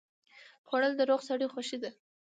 خوړل د روغ سړي خوښي ده